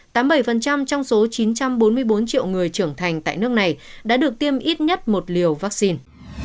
tám mươi bảy trong số chín trăm bốn mươi bốn triệu người trưởng thành tại nước này đã được tiêm ít nhất một liều vaccine